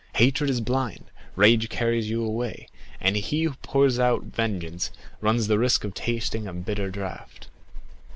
Hatred is blind, rage carries you away; and he who pours out vengeance runs the risk of tasting a bitter draught."